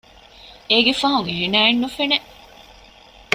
އޭގެ ފަހުން އޭނައެއް ނުފެނެ